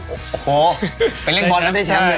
โอ้โหไปเล่นบอลแล้วได้แชมป์เลย